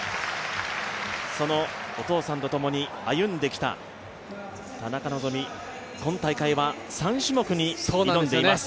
お父さんとともに歩んできた田中希実、今大会は３種目に挑んでいます。